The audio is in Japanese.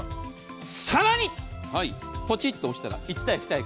さらにポチッと押したら１台２役。